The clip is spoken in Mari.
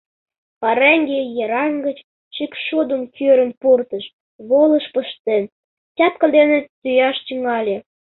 Пареҥге йыраҥ гыч шӱкшудым кӱрын пуртыш, волыш пыштен, тяпка дене тӱяш тӱҥале.